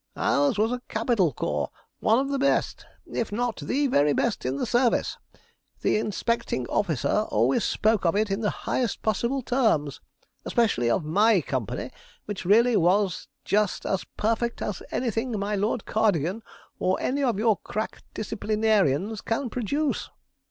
'Ours was a capital corps one of the best, if not the very best in the service. The inspecting officer always spoke of it in the highest possible terms especially of my company, which really was just as perfect as anything my Lord Cardigan, or any of your crack disciplinarians, can produce.